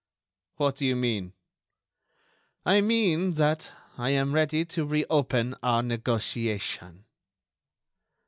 "What do you mean?" "I mean that I am ready to re open our negotiation."